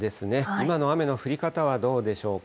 今の雨の降り方はどうでしょうか。